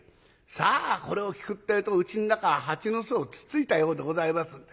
さあこれを聞くってえとうちん中は蜂の巣をつついたようでございますんで。